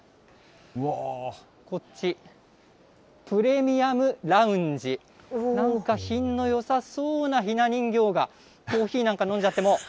こっち、プレミアムラウンジ、なんか品のよさそうなひな人形が、コーヒーなんか飲んじゃって、もう。